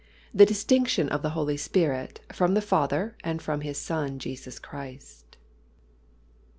THE DISTINCTION OF THE HOLY SPIRIT FROM THE FATHER AND FROM HIS SON, JESUS CHRIST.